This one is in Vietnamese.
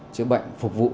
chữa bệnh phục vụ